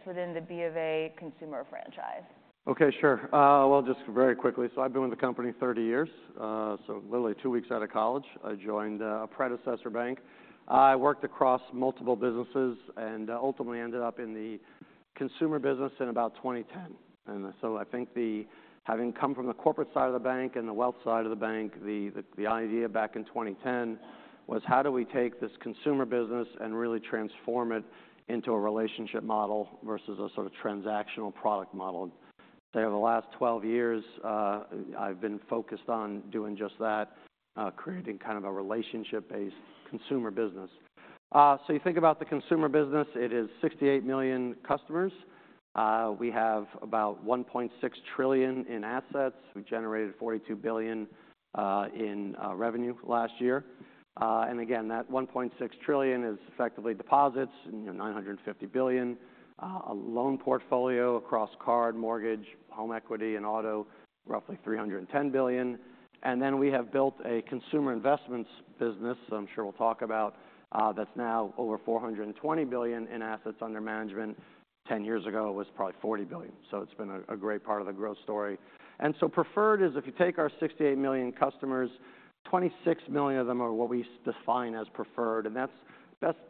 It's within the B of A consumer franchise. Okay, sure. Well, just very quickly. So I've been with the company 30 years, so literally two weeks out of college. I joined a predecessor bank. I worked across multiple businesses and ultimately ended up in the consumer business in about 2010. And so I think having come from the corporate side of the bank and the wealth side of the bank, the idea back in 2010 was, how do we take this consumer business and really transform it into a relationship model versus a sort of transactional product model? So over the last 12 years, I've been focused on doing just that, creating kind of a relationship-based consumer business. So you think about the consumer business, it is 68 million customers. We have about $1.6 trillion in assets. We generated $42 billion in revenue last year. And again, that $1.6 trillion is effectively deposits, $950 billion, a loan portfolio across card, mortgage, home equity, and auto, roughly $310 billion. And then we have built a consumer investments business, I'm sure we'll talk about, that's now over $420 billion in assets under management. 10 years ago, it was probably $40 billion. So it's been a great part of the growth story. And so preferred is if you take our 68 million customers, 26 million of them are what we define as preferred. And that's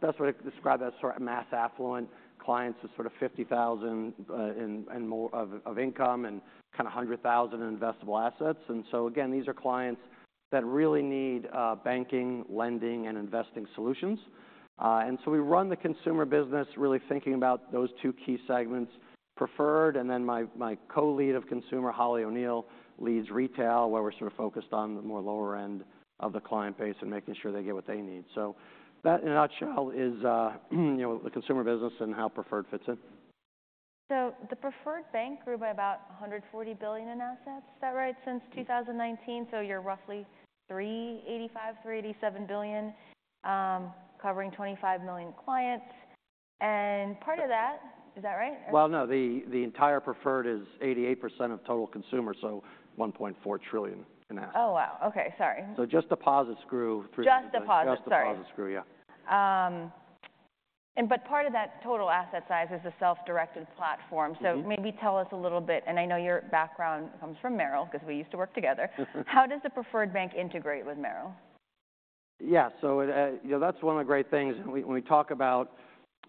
best way to describe that sort of mass affluent clients with sort of $50,000 and more of income and kind of $100,000 in investable assets. And so again, these are clients that really need banking, lending, and investing solutions. So we run the consumer business really thinking about those two key segments, preferred, and then my co-lead of consumer, Holly O'Neill, leads retail where we're sort of focused on the more lower end of the client base and making sure they get what they need. So that, in a nutshell, is the consumer business and how preferred fits in. So the preferred bank grew by about $140 billion in assets. Is that right? Since 2019. So you're roughly $385 million-$387 billion, covering 25 million clients. And part of that, is that right? Well, no. The entire preferred is 88% of total consumer, so $1.4 trillion in assets. Oh, wow. Okay. Sorry. Just deposits grew through. Just deposits, sorry. Just deposits grew, yeah. Part of that total asset size is the self-directed platform. Maybe tell us a little bit, and I know your background comes from Merrill because we used to work together. How does the Preferred Bank integrate with Merrill? Yeah. So that's one of the great things. And when we talk about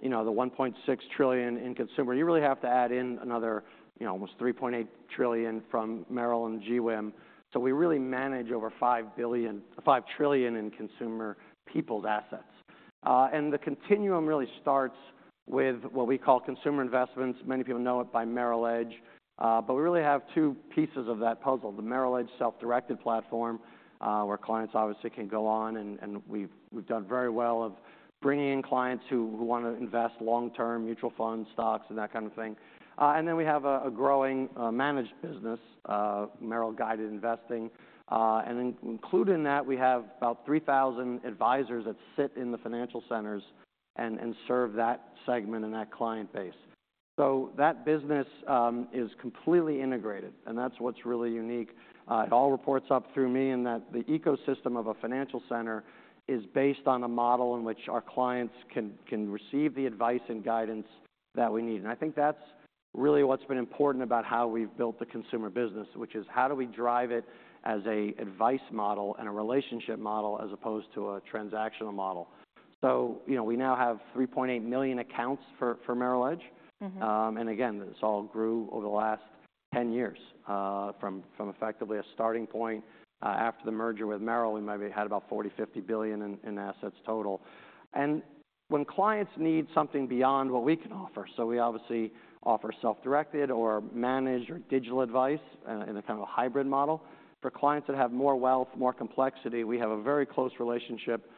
the $1.6 trillion in consumer, you really have to add in another almost $3.8 trillion from Merrill and GWIM. So we really manage over $5 trillion in consumer people's assets. And the continuum really starts with what we call consumer investments. Many people know it by Merrill Edge. But we really have two pieces of that puzzle, the Merrill Edge self-directed platform where clients obviously can go on. And we've done very well of bringing in clients who want to invest long-term, mutual funds, stocks, and that kind of thing. And then we have a growing managed business, Merrill Guided Investing. And then included in that, we have about 3,000 advisors that sit in the financial centers and serve that segment and that client base. So that business is completely integrated. And that's what's really unique. It all reports up through me in that the ecosystem of a financial center is based on a model in which our clients can receive the advice and guidance that we need. And I think that's really what's been important about how we've built the consumer business, which is how do we drive it as an advice model and a relationship model as opposed to a transactional model? So we now have 3.8 million accounts for Merrill Edge. And again, this all grew over the last 10 years. From effectively a starting point after the merger with Merrill, we might have had about $40 billion-$50 billion in assets total. And when clients need something beyond what we can offer, so we obviously offer self-directed or managed or digital advice in a kind of a hybrid model. For clients that have more wealth, more complexity, we have a very close relationship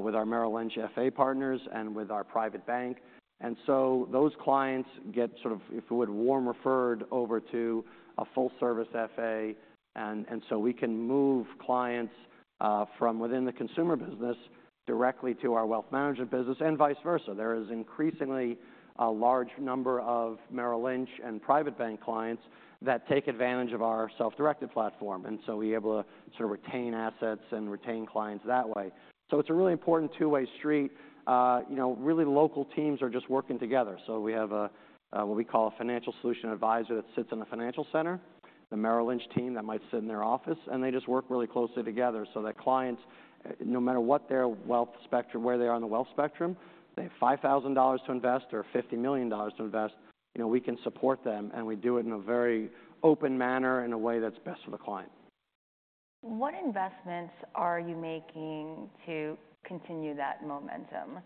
with our Merrill Edge FA partners and with our Private Bank. And so those clients get sort of, if we would, warm referred over to a full-service FA. And so we can move clients from within the consumer business directly to our wealth management business and vice versa. There is increasingly a large number of Merrill Lynch and Private Bank clients that take advantage of our self-directed platform and so be able to sort of retain assets and retain clients that way. So it's a really important two-way street. Really local teams are just working together. So we have what we call a Financial Solutions Advisor that sits in a Financial Center, the Merrill Lynch team that might sit in their office. They just work really closely together so that clients, no matter what their wealth spectrum, where they are in the wealth spectrum, they have $5,000 to invest or $50 million to invest, we can support them. We do it in a very open manner in a way that's best for the client. What investments are you making to continue that momentum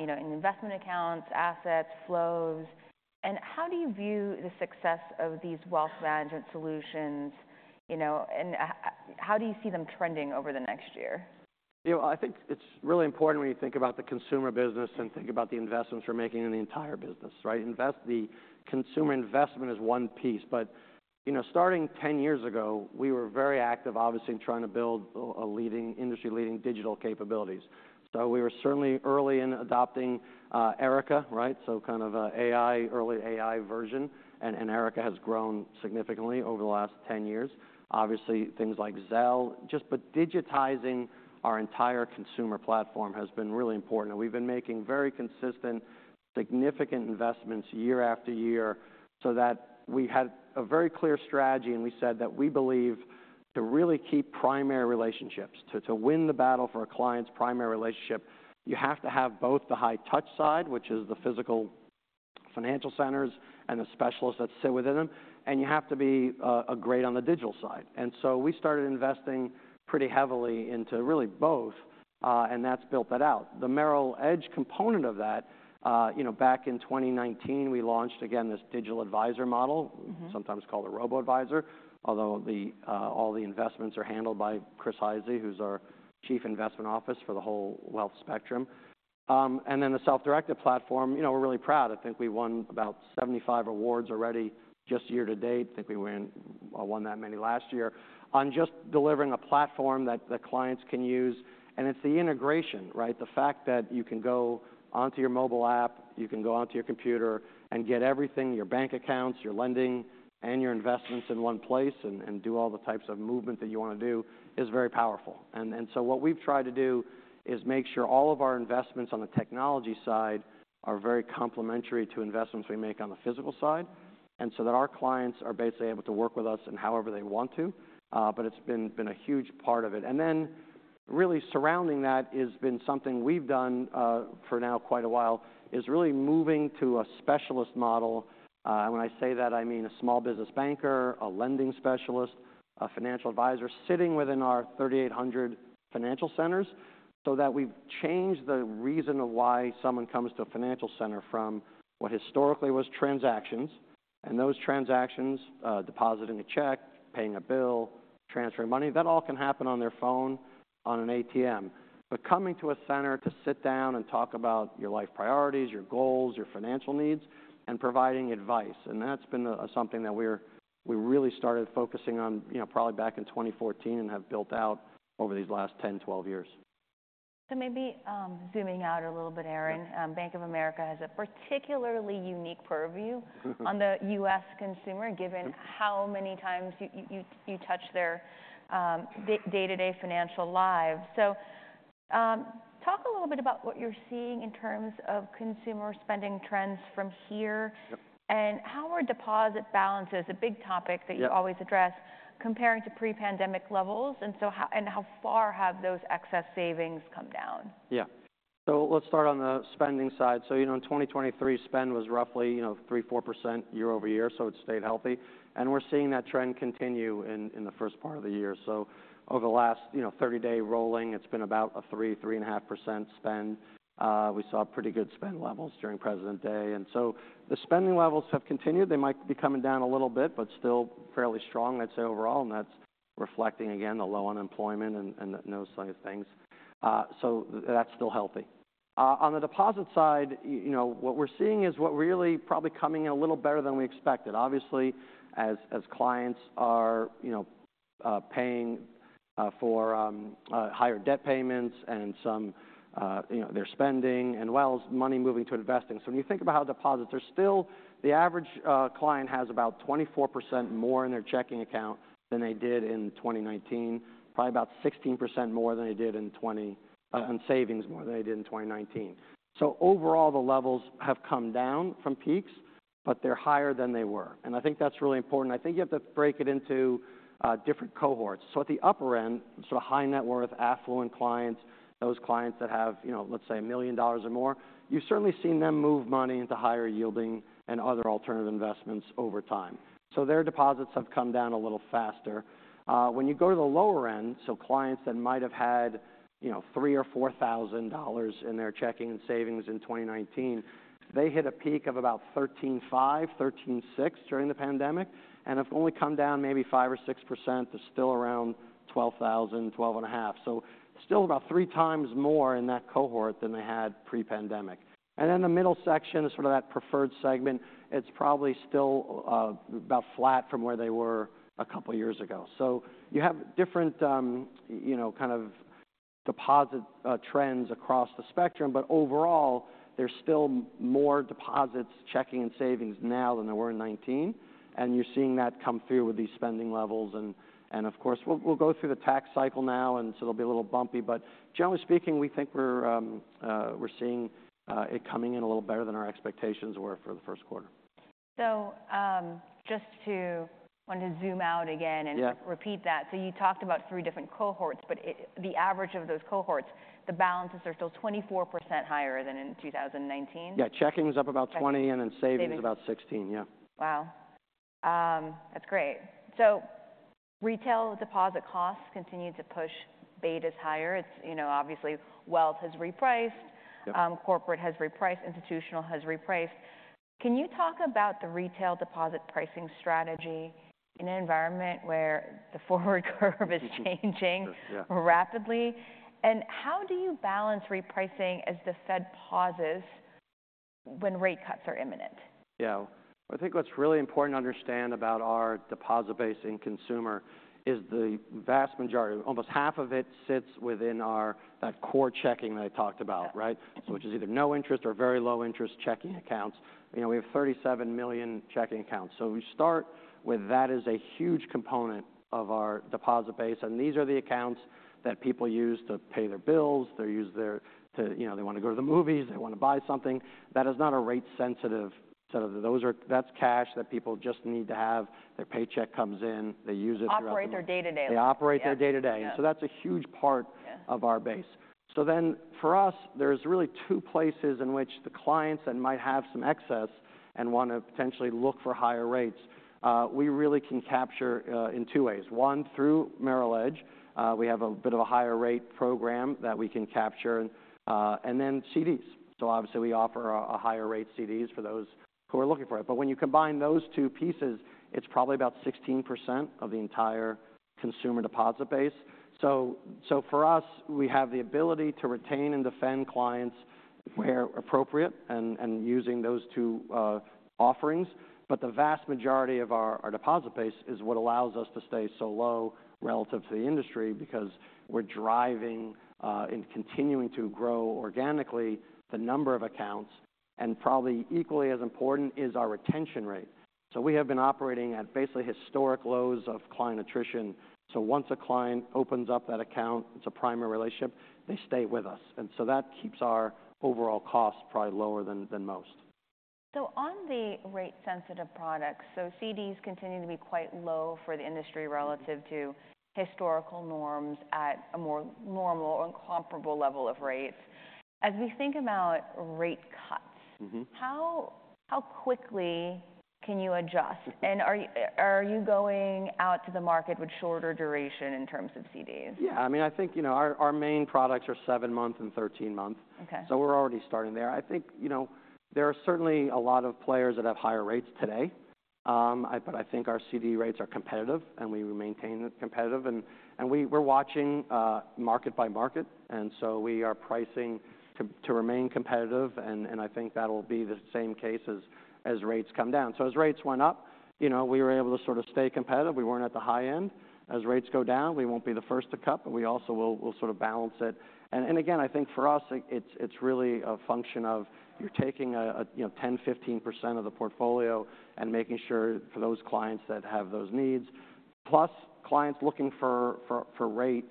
in investment accounts, assets, flows? And how do you view the success of these wealth management solutions? And how do you see them trending over the next year? I think it's really important when you think about the consumer business and think about the investments we're making in the entire business, right? The consumer investment is one piece. But starting 10 years ago, we were very active, obviously, in trying to build industry-leading digital capabilities. So we were certainly early in adopting Erica, right? So kind of an early AI version. And Erica has grown significantly over the last 10 years. Obviously, things like Zelle, but digitizing our entire consumer platform has been really important. And we've been making very consistent, significant investments year after year so that we had a very clear strategy. And we said that we believe to really keep primary relationships, to win the battle for a client's primary relationship, you have to have both the high-touch side, which is the physical Financial Centers, and the specialists that sit within them. You have to be great on the digital side. So we started investing pretty heavily into really both. That's built that out. The Merrill Edge component of that, back in 2019, we launched, again, this digital advisor model, sometimes called a robo-advisor, although all the investments are handled by Chris Hyzy, who's our chief investment officer for the whole wealth spectrum. Then the self-directed platform, we're really proud. I think we won about 75 awards already just year to date. I think we won that many last year on just delivering a platform that the clients can use. It's the integration, right? The fact that you can go onto your mobile app, you can go onto your computer, and get everything, your bank accounts, your lending, and your investments in one place and do all the types of movement that you want to do is very powerful. So what we've tried to do is make sure all of our investments on the technology side are very complementary to investments we make on the physical side and so that our clients are basically able to work with us in however they want to. But it's been a huge part of it. Then really surrounding that has been something we've done for now quite a while is really moving to a specialist model. And when I say that, I mean a small business banker, a lending specialist, a financial advisor sitting within our 3,800 Financial Centers so that we've changed the reason of why someone comes to a Financial Center from what historically was transactions. And those transactions, depositing a check, paying a bill, transferring money, that all can happen on their phone, on an ATM. But coming to a center to sit down and talk about your life priorities, your goals, your financial needs, and providing advice. And that's been something that we really started focusing on probably back in 2014 and have built out over these last 10, 12 years. So maybe zooming out a little bit, Aron, Bank of America has a particularly unique purview on the U.S. consumer given how many times you touch their day-to-day financial lives. Talk a little bit about what you're seeing in terms of consumer spending trends from here. How are deposit balances, a big topic that you always address, comparing to pre-pandemic levels? How far have those excess savings come down? Yeah. So let's start on the spending side. So in 2023, spend was roughly 3%-4% year-over-year, so it stayed healthy. And we're seeing that trend continue in the first part of the year. So over the last 30-day rolling, it's been about a 3%-3.5% spend. We saw pretty good spend levels during Presidents' Day. And so the spending levels have continued. They might be coming down a little bit but still fairly strong, I'd say, overall. And that's reflecting, again, the low unemployment and those sorts of things. So that's still healthy. On the deposit side, what we're seeing is what really probably coming in a little better than we expected, obviously, as clients are paying for higher debt payments and their spending and, well, money moving to investing. So when you think about how deposits are still, the average client has about 24% more in their checking account than they did in 2019, probably about 16% more than they did in 2020 and savings more than they did in 2019. So overall, the levels have come down from peaks, but they're higher than they were. And I think that's really important. I think you have to break it into different cohorts. So at the upper end, sort of high net worth, affluent clients, those clients that have, let's say, $1 million or more, you've certainly seen them move money into higher yielding and other alternative investments over time. So their deposits have come down a little faster. When you go to the lower end, so clients that might have had $3,000 or $4,000 in their checking and savings in 2019, they hit a peak of about 13,500, 13,600 during the pandemic and have only come down maybe 5% or 6% to still around 12,000, 12.500. So still about three times more in that cohort than they had pre-pandemic. And then the middle section, sort of that preferred segment, it's probably still about flat from where they were a couple of years ago. So you have different kind of deposit trends across the spectrum. But overall, there's still more deposits, checking, and savings now than there were in 2019. And you're seeing that come through with these spending levels. And of course, we'll go through the tax cycle now, and so it'll be a little bumpy. But generally speaking, we think we're seeing it coming in a little better than our expectations were for the first quarter. So just to want to zoom out again and repeat that. So you talked about three different cohorts. But the average of those cohorts, the balances are still 24% higher than in 2019? Yeah. Checking's up about 20% and then savings about 16%, yeah. Wow. That's great. So retail deposit costs continue to push betas higher. Obviously, wealth has repriced. Corporate has repriced. Institutional has repriced. Can you talk about the retail deposit pricing strategy in an environment where the forward curve is changing rapidly? And how do you balance repricing as the Fed pauses when rate cuts are imminent? Yeah. I think what's really important to understand about our deposit base and consumer is the vast majority, almost half of it, sits within that core checking that I talked about, right? So, which is either no interest or very low interest checking accounts. We have 37 million checking accounts. So we start with that as a huge component of our deposit base. And these are the accounts that people use to pay their bills. They use them. They want to go to the movies. They want to buy something. That is not a rate-sensitive set of those. That's cash that people just need to have. Their paycheck comes in. They use it throughout their day. Operate their day-to-day. They operate their day-to-day. And so that's a huge part of our base. So then for us, there's really two places in which the clients that might have some excess and want to potentially look for higher rates, we really can capture in two ways. One, through Merrill Edge, we have a bit of a higher rate program that we can capture. And then CDs. So obviously, we offer a higher rate CDs for those who are looking for it. But when you combine those two pieces, it's probably about 16% of the entire consumer deposit base. So for us, we have the ability to retain and defend clients where appropriate and using those two offerings. But the vast majority of our deposit base is what allows us to stay so low relative to the industry because we're driving and continuing to grow organically the number of accounts. Probably equally as important is our retention rate. We have been operating at basically historic lows of client attrition. Once a client opens up that account, it's a primary relationship, they stay with us. And so that keeps our overall costs probably lower than most. So on the rate-sensitive products, CDs continue to be quite low for the industry relative to historical norms at a more normal or comparable level of rates. As we think about rate cuts, how quickly can you adjust? And are you going out to the market with shorter duration in terms of CDs? Yeah. I mean, I think our main products are 7-month and 13-month. So we're already starting there. I think there are certainly a lot of players that have higher rates today. But I think our CD rates are competitive, and we maintain that competitive. And we're watching market by market. And so we are pricing to remain competitive. And I think that'll be the same case as rates come down. So as rates went up, we were able to sort of stay competitive. We weren't at the high end. As rates go down, we won't be the first to cut. But we also will sort of balance it. And again, I think for us, it's really a function of you're taking 10%, 15% of the portfolio and making sure for those clients that have those needs, plus clients looking for rate.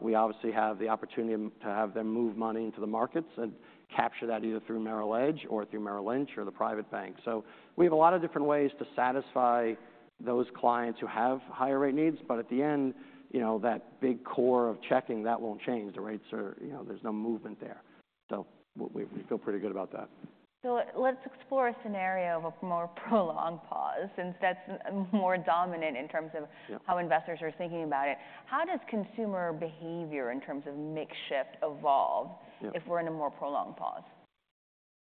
We obviously have the opportunity to have them move money into the markets and capture that either through Merrill Edge or through Merrill Lynch or the private bank. So we have a lot of different ways to satisfy those clients who have higher rate needs. But at the end, that big core of checking, that won't change. The rates are; there's no movement there. So we feel pretty good about that. So let's explore a scenario of a more prolonged pause since that's more dominant in terms of how investors are thinking about it. How does consumer behavior in terms of spending evolve if we're in a more prolonged pause?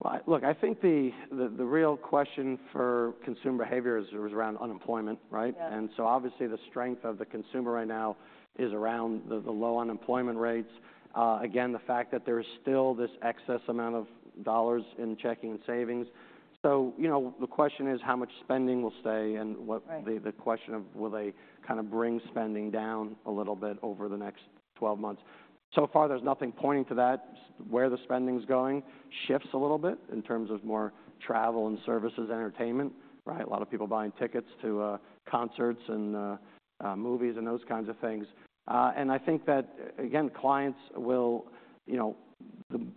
Well, look, I think the real question for consumer behavior is around unemployment, right? So obviously, the strength of the consumer right now is around the low unemployment rates, again, the fact that there's still this excess amount of dollars in checking and savings. So the question is how much spending will stay and the question of will they kind of bring spending down a little bit over the next 12 months. So far, there's nothing pointing to that, where the spending's going. Shifts a little bit in terms of more travel and services, entertainment, right? A lot of people buying tickets to concerts and movies and those kinds of things. I think that, again,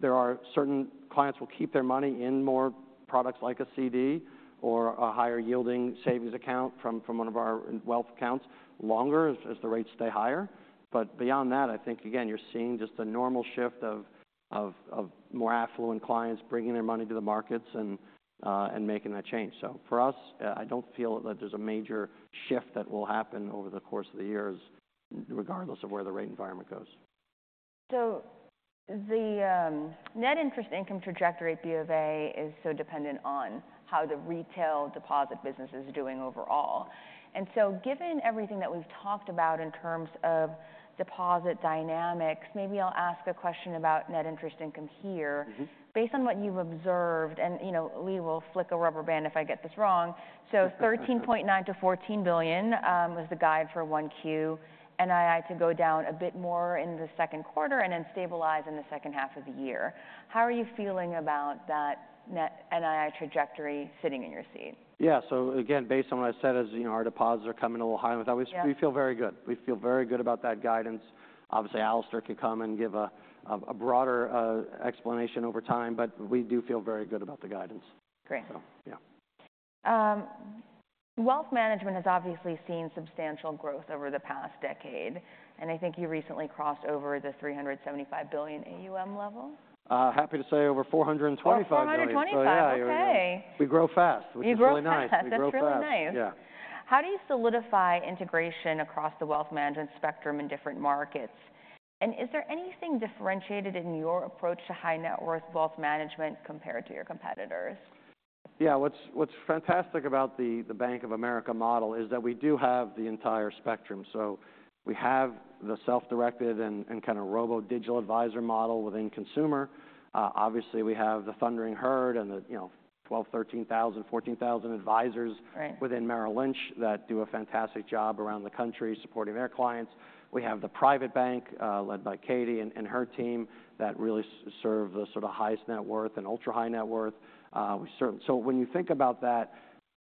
there are certain clients will keep their money in more products like a CD or a higher-yielding savings account from one of our wealth accounts longer as the rates stay higher. But beyond that, I think, again, you're seeing just a normal shift of more affluent clients bringing their money to the markets and making that change. So for us, I don't feel that there's a major shift that will happen over the course of the years regardless of where the rate environment goes. So the net interest income trajectory at BofA is so dependent on how the retail deposit business is doing overall. And so given everything that we've talked about in terms of deposit dynamics, maybe I'll ask a question about net interest income here. Based on what you've observed and Lee will flick a rubber band if I get this wrong. So $13.9 billion-$14 billion was the guide for 1Q, NII to go down a bit more in the second quarter and then stabilize in the second half of the year. How are you feeling about that NII trajectory sitting in your seat? Yeah. So again, based on what I said, as our deposits are coming a little high enough, we feel very good. We feel very good about that guidance. Obviously, Alastair could come and give a broader explanation over time. But we do feel very good about the guidance, so yeah. Wealth management has obviously seen substantial growth over the past decade. I think you recently crossed over the $375 billion AUM level. Happy to say over $425 billion. $425 billion. OK. We grow fast, which is really nice. We grow fast. You grow fast. That's really nice. Yeah. How do you solidify integration across the wealth management spectrum in different markets? Is there anything differentiated in your approach to high net worth wealth management compared to your competitors? Yeah. What's fantastic about the Bank of America model is that we do have the entire spectrum. So we have the self-directed and kind of robo-digital advisor model within consumer. Obviously, we have the thundering herd and the 12,000, 13,000, 14,000 advisors within Merrill Lynch that do a fantastic job around the country supporting their clients. We have the private bank led by Katy and her team that really serve the sort of highest net worth and ultra-high net worth. So when you think about that,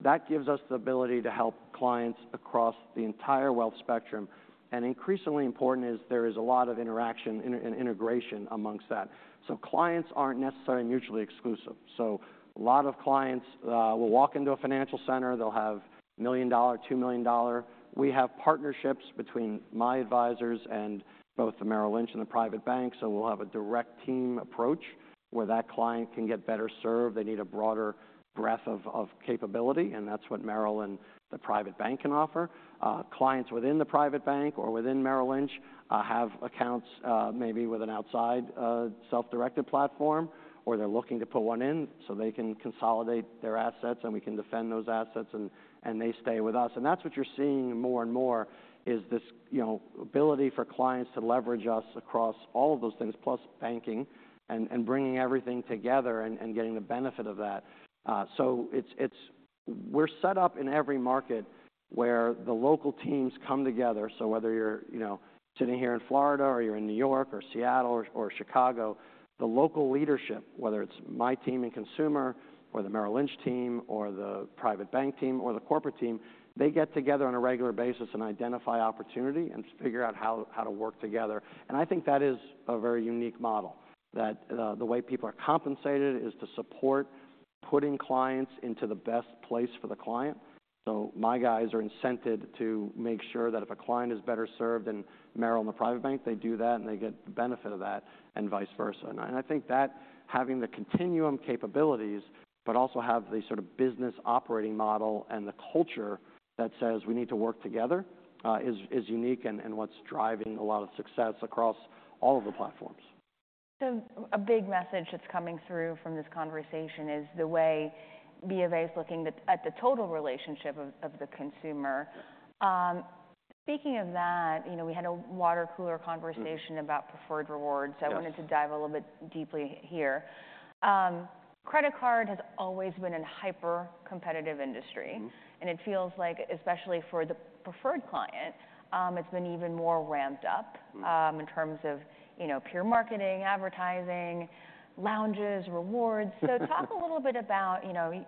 that gives us the ability to help clients across the entire wealth spectrum. And increasingly important is there is a lot of interaction and integration amongst that. So clients aren't necessarily mutually exclusive. So a lot of clients will walk into a financial center. They'll have $1 million, $2 million. We have partnerships between my advisors and both the Merrill Lynch and the private bank. So we'll have a direct team approach where that client can get better served. They need a broader breadth of capability. And that's what Merrill and the private bank can offer. Clients within the private bank or within Merrill Lynch have accounts maybe with an outside self-directed platform, or they're looking to put one in so they can consolidate their assets, and we can defend those assets, and they stay with us. And that's what you're seeing more and more is this ability for clients to leverage us across all of those things, plus banking and bringing everything together and getting the benefit of that. So we're set up in every market where the local teams come together. So whether you're sitting here in Florida or you're in New York or Seattle or Chicago, the local leadership, whether it's my team in consumer or the Merrill Lynch team or the private bank team or the corporate team, they get together on a regular basis and identify opportunity and figure out how to work together. And I think that is a very unique model, that the way people are compensated is to support putting clients into the best place for the client. So my guys are incented to make sure that if a client is better served in Merrill and the private bank, they do that, and they get the benefit of that and vice versa. I think that having the continuum capabilities but also have the sort of business operating model and the culture that says, we need to work together is unique and what's driving a lot of success across all of the platforms. So a big message that's coming through from this conversation is the way Bank of America is looking at the total relationship of the consumer. Speaking of that, we had a water cooler conversation about Preferred Rewards. So I wanted to dive a little bit deeply here. Credit card has always been a hyper-competitive industry. It feels like, especially for the preferred client, it's been even more ramped up in terms of peer marketing, advertising, lounges, rewards. So talk a little bit about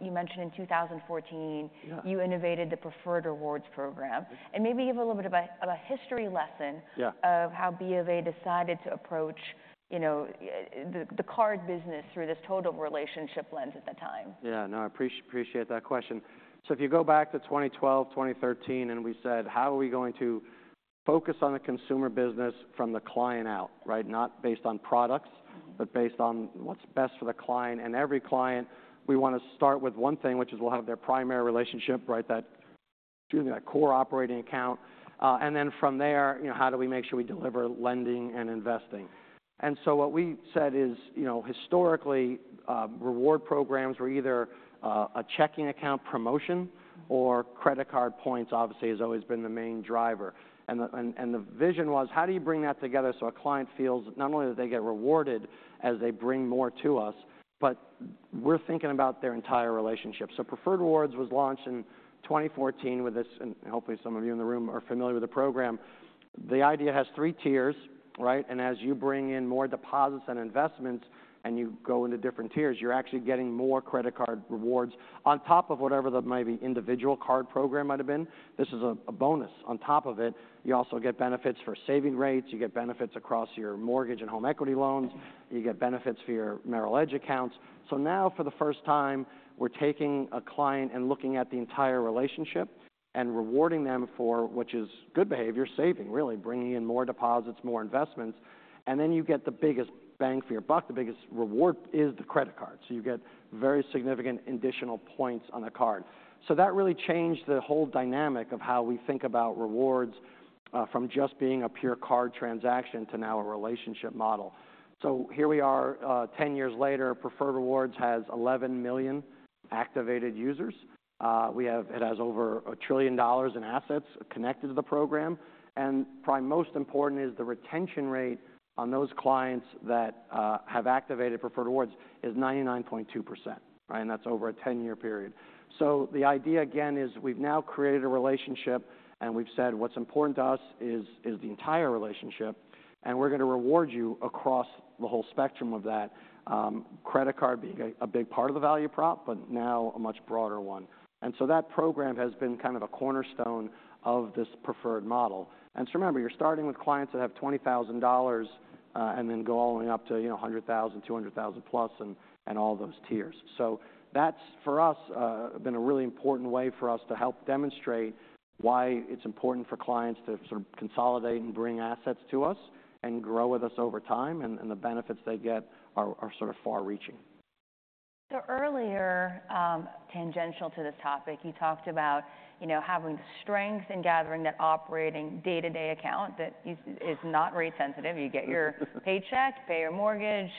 you mentioned in 2014, you innovated the Preferred Rewards program. Maybe give a little bit of a history lesson of how Bank of America decided to approach the card business through this total relationship lens at the time. Yeah. No, I appreciate that question. So if you go back to 2012, 2013, and we said, how are we going to focus on the consumer business from the client out, right? Not based on products but based on what's best for the client. And every client, we want to start with one thing, which is we'll have their primary relationship, right? That core operating account. And then from there, how do we make sure we deliver lending and investing? And so what we said is, historically, reward programs were either a checking account promotion or credit card points obviously has always been the main driver. And the vision was, how do you bring that together so a client feels not only that they get rewarded as they bring more to us, but we're thinking about their entire relationship. So Preferred Rewards was launched in 2014 with this and hopefully, some of you in the room are familiar with the program. The idea has three tiers, right? And as you bring in more deposits and investments and you go into different tiers, you're actually getting more credit card rewards on top of whatever that may be individual card program might have been. This is a bonus on top of it. You also get benefits for savings rates. You get benefits across your mortgage and home equity loans. You get benefits for your Merrill Edge accounts. So now, for the first time, we're taking a client and looking at the entire relationship and rewarding them for what is good behavior, saving, really, bringing in more deposits, more investments. And then you get the biggest bang for your buck. The biggest reward is the credit card. So you get very significant additional points on the card. So that really changed the whole dynamic of how we think about rewards from just being a pure card transaction to now a relationship model. So here we are, 10 years later, Preferred Rewards has 11 million activated users. It has over $1 trillion in assets connected to the program. And probably most important is the retention rate on those clients that have activated Preferred Rewards is 99.2%, right? And that's over a 10-year period. So the idea, again, is we've now created a relationship, and we've said, what's important to us is the entire relationship. And we're going to reward you across the whole spectrum of that, credit card being a big part of the value prop but now a much broader one. And so that program has been kind of a cornerstone of this Preferred model. And so remember, you're starting with clients that have $20,000 and then go all the way up to $100,000, $200,000 plus, and all those tiers. So that's, for us, been a really important way for us to help demonstrate why it's important for clients to sort of consolidate and bring assets to us and grow with us over time. And the benefits they get are sort of far-reaching. So earlier, tangential to this topic, you talked about having the strength in gathering that operating day-to-day account that is not rate sensitive. You get your paycheck, pay your mortgage,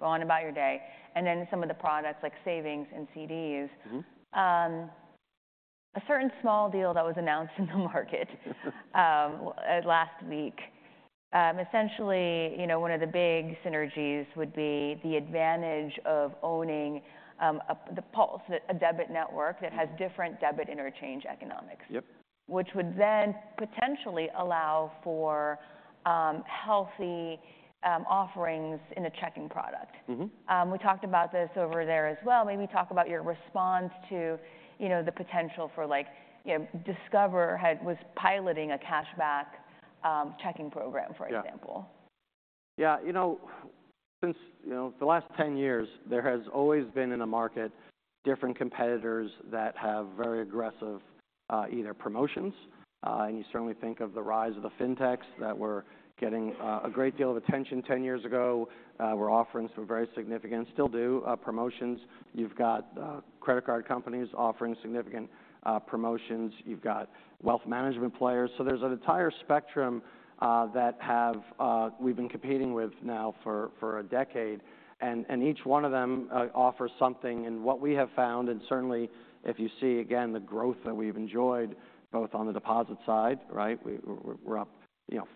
go on about your day. And then some of the products like savings and CDs. A certain small deal that was announced in the market last week, essentially, one of the big synergies would be the advantage of owning a Pulse, a debit network that has different debit interchange economics, which would then potentially allow for healthy offerings in a checking product. We talked about this over there as well. Maybe talk about your response to the potential for Discover was piloting a cashback checking program, for example. Yeah. You know, for the last 10 years, there has always been in the market different competitors that have very aggressive either promotions. And you certainly think of the rise of the fintechs that were getting a great deal of attention 10 years ago, were offering some very significant still do promotions. You've got credit card companies offering significant promotions. You've got wealth management players. So there's an entire spectrum that we've been competing with now for a decade. And each one of them offers something. And what we have found and certainly, if you see, again, the growth that we've enjoyed both on the deposit side, right? We're up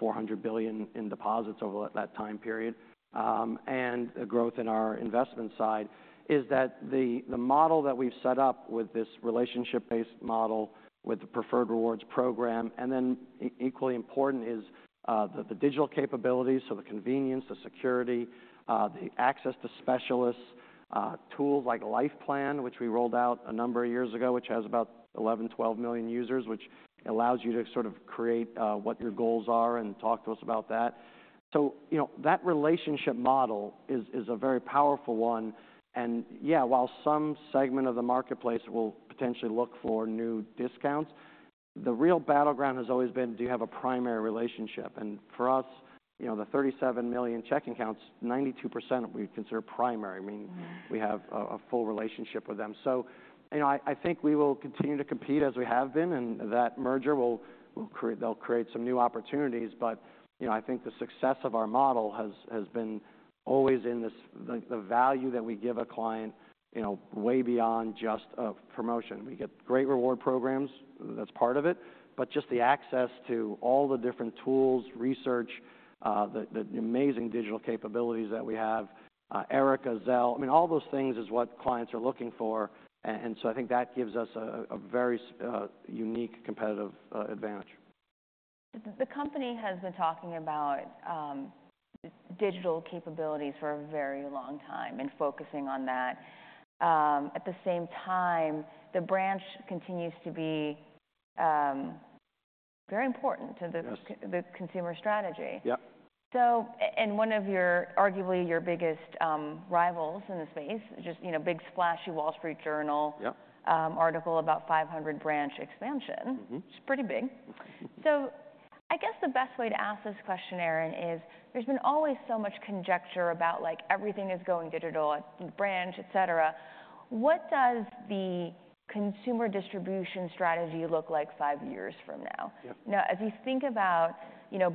$400 billion in deposits over that time period and the growth in our investment side is that the model that we've set up with this relationship-based model with the Preferred Rewards program and then equally important is the digital capabilities, so the convenience, the security, the access to specialists, tools like Life Plan, which we rolled out a number of years ago, which has about 11-12 million users, which allows you to sort of create what your goals are and talk to us about that. So that relationship model is a very powerful one. And yeah, while some segment of the marketplace will potentially look for new discounts, the real battleground has always been, do you have a primary relationship? And for us, the 37 million checking accounts, 92% we consider primary. I mean, we have a full relationship with them. So I think we will continue to compete as we have been. And that merger, they'll create some new opportunities. But I think the success of our model has been always in the value that we give a client way beyond just a promotion. We get great reward programs. That's part of it. But just the access to all the different tools, research, the amazing digital capabilities that we have, Erica, Zelle, I mean, all those things is what clients are looking for. And so I think that gives us a very unique competitive advantage. The company has been talking about digital capabilities for a very long time and focusing on that. At the same time, the branch continues to be very important to the consumer strategy. Yep. One of arguably your biggest rivals in the space, just a big, splashy Wall Street Journal article about 500 branch expansion, which is pretty big. So I guess the best way to ask this question, Aron, is there's been always so much conjecture about everything is going digital at the branch, et cetera. What does the consumer distribution strategy look like five years from now? Now, as you think about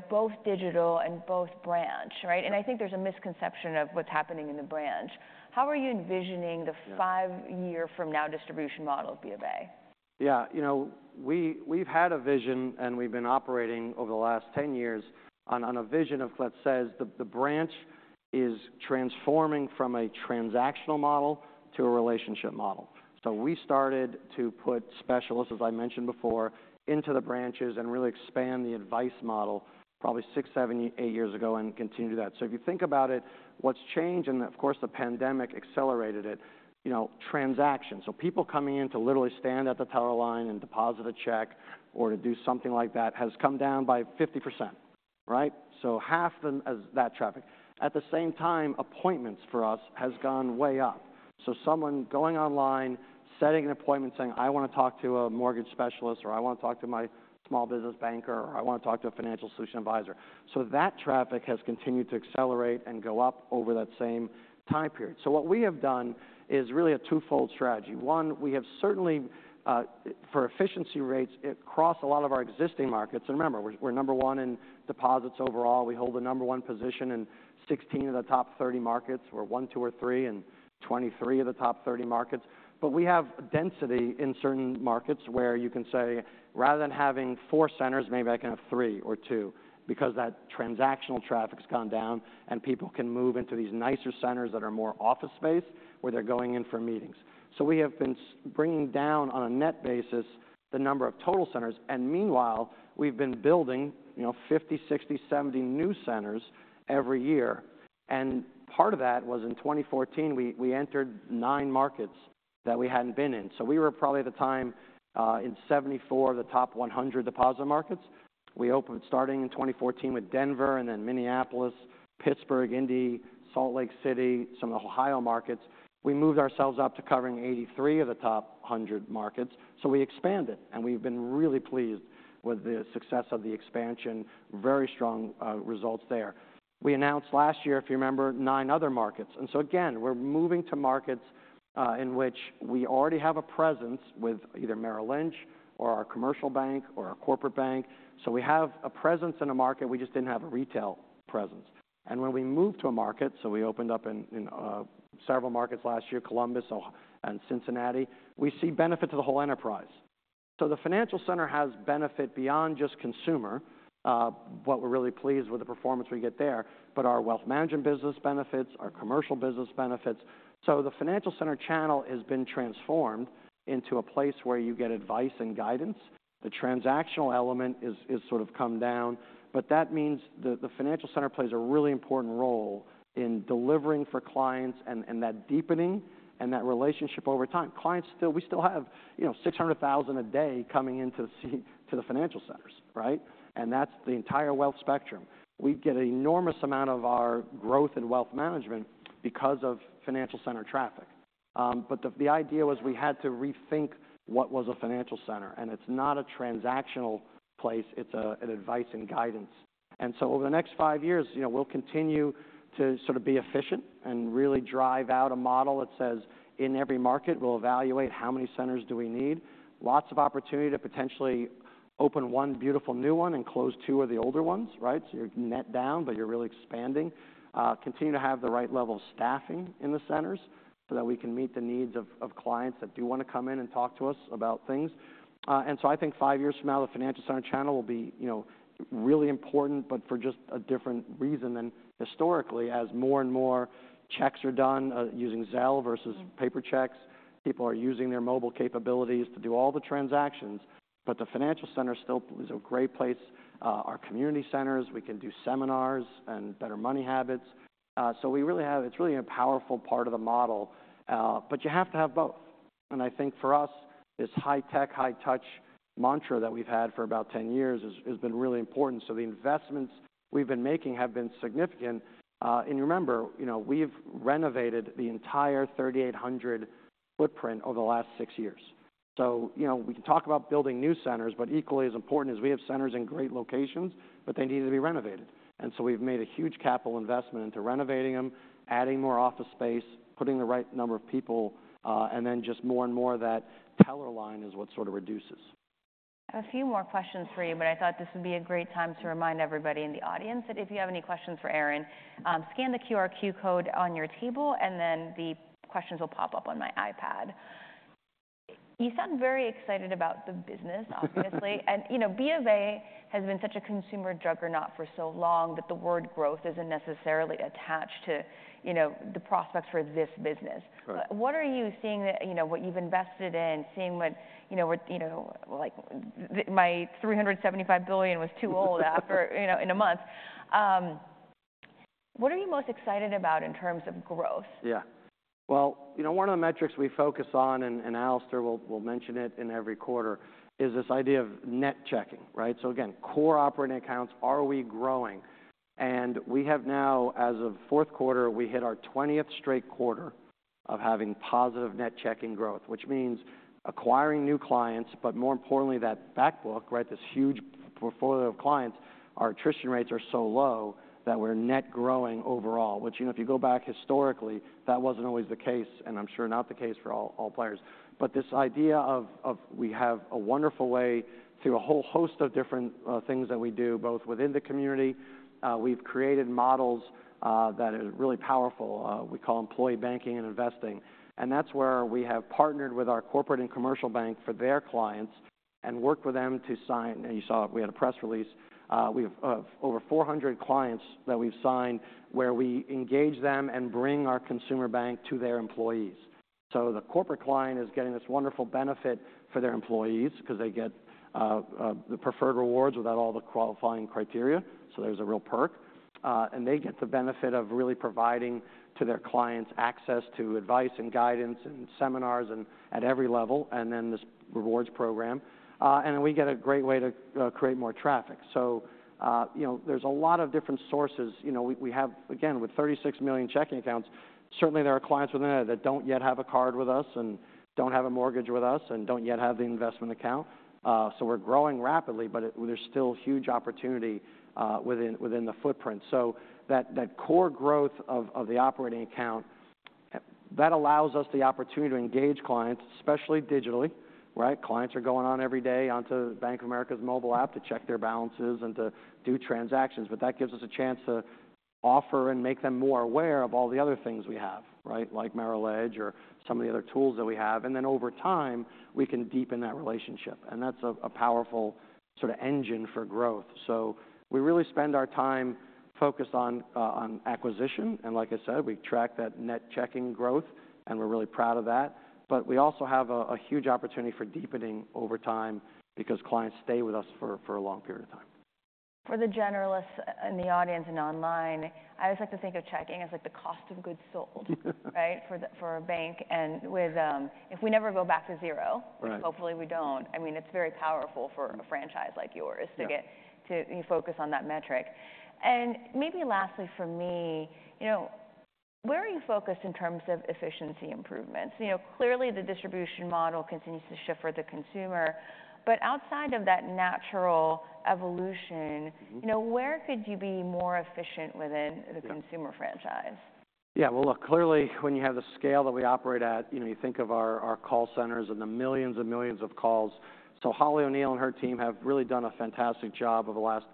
both digital and both branch, right? And I think there's a misconception of what's happening in the branch. How are you envisioning the five-year-from-now distribution model of BofA? Yeah. You know, we've had a vision, and we've been operating over the last 10 years on a vision of, let's say, the branch is transforming from a transactional model to a relationship model. So we started to put specialists, as I mentioned before, into the branches and really expand the advice model probably six, seven, eight years ago and continue to do that. So if you think about it, what's changed and, of course, the pandemic accelerated it, transactions. So people coming in to literally stand at the teller line and deposit a check or to do something like that has come down by 50%, right? So half as that traffic. At the same time, appointments for us has gone way up. So someone going online, setting an appointment, saying, I want to talk to a mortgage specialist, or I want to talk to my small business banker, or I want to talk to a Financial Solutions Advisor. So that traffic has continued to accelerate and go up over that same time period. So what we have done is really a twofold strategy. One, we have certainly, for efficiency rates across a lot of our existing markets and remember, we're number one in deposits overall. We hold the number one position in 16 of the top 30 markets. We're one, two, or three, and 23 of the top 30 markets. But we have density in certain markets where you can say, rather than having four centers, maybe I can have three or two because that transactional traffic has gone down, and people can move into these nicer centers that are more office space where they're going in for meetings. So we have been bringing down, on a net basis, the number of total centers. And meanwhile, we've been building 50, 60, 70 new centers every year. And part of that was in 2014, we entered nine markets that we hadn't been in. So we were probably, at the time, in 74 of the top 100 deposit markets. We opened starting in 2014 with Denver and then Minneapolis, Pittsburgh, Indy, Salt Lake City, some of the Ohio markets. We moved ourselves up to covering 83 of the top 100 markets. So we expanded. We've been really pleased with the success of the expansion, very strong results there. We announced last year, if you remember, nine other markets. So again, we're moving to markets in which we already have a presence with either Merrill Lynch or our commercial bank or our corporate bank. So we have a presence in a market. We just didn't have a retail presence. And when we move to a market, so we opened up in several markets last year, Columbus and Cincinnati, we see benefit to the whole enterprise. So the Financial Center has benefit beyond just consumer. What we're really pleased with the performance we get there, but our wealth management business benefits, our commercial business benefits. So the Financial Center channel has been transformed into a place where you get advice and guidance. The transactional element has sort of come down. But that means the Financial Center plays a really important role in delivering for clients and that deepening and that relationship over time. We still have 600,000 a day coming into the Financial Centers, right? And that's the entire wealth spectrum. We get an enormous amount of our growth in wealth management because of Financial Center traffic. But the idea was we had to rethink what was a Financial Center. And it's not a transactional place. It's an advice and guidance. And so over the next five years, we'll continue to sort of be efficient and really drive out a model that says, in every market, we'll evaluate, how many centers do we need? Lots of opportunity to potentially open one beautiful new one and close two of the older ones, right? So you're net down, but you're really expanding, continue to have the right level of staffing in the centers so that we can meet the needs of clients that do want to come in and talk to us about things. I think five years from now, the Financial Center channel will be really important, but for just a different reason than historically, as more and more checks are done using Zelle versus paper checks. People are using their mobile capabilities to do all the transactions. The Financial Center still is a great place, our community centers. We can do seminars and Better Money Habits. It's really a powerful part of the model. You have to have both. I think for us, this high tech, high touch mantra that we've had for about 10 years has been really important. So the investments we've been making have been significant. Remember, we've renovated the entire 3,800 footprint over the last six years. We can talk about building new centers, but equally as important is we have centers in great locations, but they need to be renovated. So we've made a huge capital investment into renovating them, adding more office space, putting the right number of people, and then just more and more of that teller line is what sort of reduces. I have a few more questions for you, but I thought this would be a great time to remind everybody in the audience that if you have any questions for Aron, scan the QR code on your table, and then the questions will pop up on my iPad. You sound very excited about the business, obviously. BofA has been such a consumer juggernaut for so long that the word growth isn't necessarily attached to the prospects for this business. What are you seeing that what you've invested in, seeing what my $375 billion was too old in a month? What are you most excited about in terms of growth? Yeah. Well, one of the metrics we focus on, and Alastair will mention it in every quarter, is this idea of net checking, right? So again, core operating accounts, are we growing? And we have now, as of fourth quarter, we hit our 20th straight quarter of having positive net checking growth, which means acquiring new clients, but more importantly, that backbook, right? This huge portfolio of clients, our attrition rates are so low that we're net growing overall, which if you go back historically, that wasn't always the case, and I'm sure not the case for all players. But this idea of we have a wonderful way through a whole host of different things that we do both within the community. We've created models that are really powerful. We call them Employee Banking & Investing. That's where we have partnered with our corporate and commercial bank for their clients and worked with them to sign and you saw it. We had a press release. We have over 400 clients that we've signed where we engage them and bring our consumer bank to their employees. So the corporate client is getting this wonderful benefit for their employees because they get the Preferred Rewards without all the qualifying criteria. So there's a real perk. And they get the benefit of really providing to their clients access to advice and guidance and seminars at every level and then this rewards program. And then we get a great way to create more traffic. So there's a lot of different sources. We have, again, with 36 million checking accounts, certainly, there are clients within that don't yet have a card with us and don't have a mortgage with us and don't yet have the investment account. We're growing rapidly, but there's still huge opportunity within the footprint. That core growth of the operating account allows us the opportunity to engage clients, especially digitally, right? Clients are going on every day onto Bank of America's mobile app to check their balances and to do transactions. But that gives us a chance to offer and make them more aware of all the other things we have, right? Like Merrill Edge or some of the other tools that we have. And then over time, we can deepen that relationship. And that's a powerful sort of engine for growth. We really spend our time focused on acquisition. Like I said, we track that net checking growth, and we're really proud of that. We also have a huge opportunity for deepening over time because clients stay with us for a long period of time. For the generalists in the audience and online, I always like to think of checking as the cost of goods sold, right? For a bank. And if we never go back to zero, which hopefully we don't, I mean, it's very powerful for a franchise like yours to focus on that metric. And maybe lastly, for me, where are you focused in terms of efficiency improvements? Clearly, the distribution model continues to shift for the consumer. But outside of that natural evolution, where could you be more efficient within the consumer franchise? Yeah. Well, look, clearly, when you have the scale that we operate at, you think of our call centers and the millions and millions of calls. Holly O'Neill and her team have really done a fantastic job over the last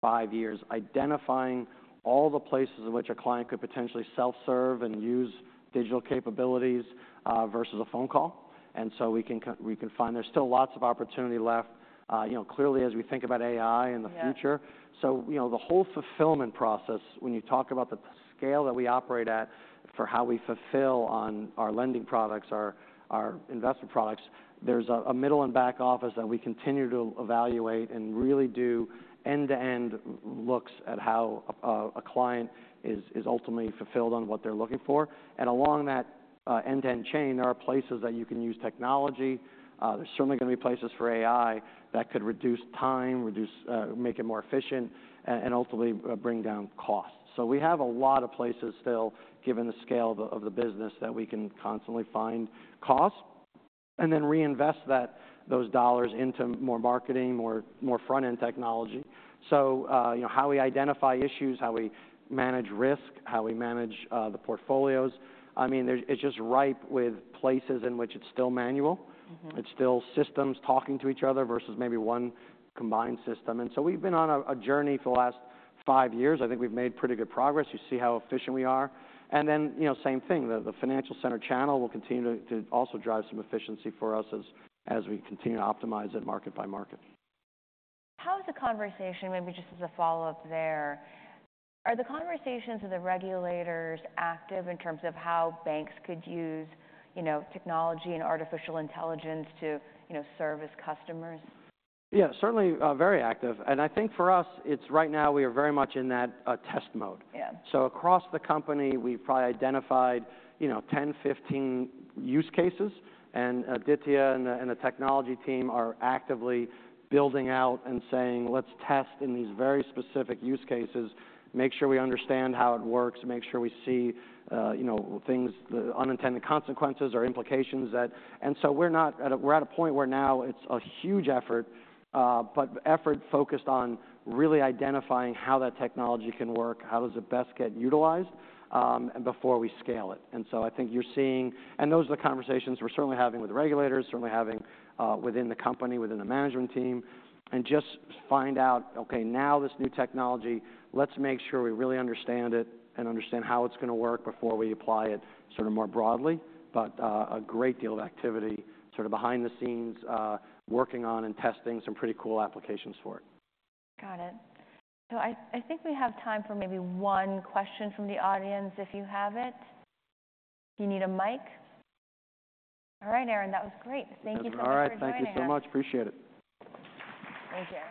five years identifying all the places in which a client could potentially self-serve and use digital capabilities versus a phone call. We can find there's still lots of opportunity left, clearly, as we think about AI and the future. The whole fulfillment process, when you talk about the scale that we operate at for how we fulfill on our lending products, our investment products, there's a middle and back office that we continue to evaluate and really do end-to-end looks at how a client is ultimately fulfilled on what they're looking for. Along that end-to-end chain, there are places that you can use technology. There's certainly going to be places for AI that could reduce time, make it more efficient, and ultimately bring down costs. So we have a lot of places still, given the scale of the business, that we can constantly find costs and then reinvest those dollars into more marketing, more front-end technology. So how we identify issues, how we manage risk, how we manage the portfolios, I mean, it's just ripe with places in which it's still manual. It's still systems talking to each other versus maybe one combined system. And so we've been on a journey for the last five years. I think we've made pretty good progress. You see how efficient we are. And then same thing, the Financial Center channel will continue to also drive some efficiency for us as we continue to optimize it market by market. How is the conversation maybe just as a follow-up there? Are the conversations with the regulators active in terms of how banks could use technology and artificial intelligence to service customers? Yeah, certainly very active. And I think for us, right now, we are very much in that test mode. So across the company, we've probably identified 10 use cases-15 use cases. And Aditya and the technology team are actively building out and saying, let's test in these very specific use cases, make sure we understand how it works, make sure we see things, the unintended consequences or implications that and so we're at a point where now it's a huge effort, but effort focused on really identifying how that technology can work, how does it best get utilized before we scale it. So I think you're seeing, and those are the conversations we're certainly having with the regulators, certainly having within the company, within the management team, and just find out, OK, now this new technology. Let's make sure we really understand it and understand how it's going to work before we apply it sort of more broadly. But a great deal of activity sort of behind the scenes working on and testing some pretty cool applications for it. Got it. So I think we have time for maybe one question from the audience if you have it. Do you need a mic? All right, Aron. That was great. Thank you so much for joining us. That was all right. Thank you so much. Appreciate it. Thank you.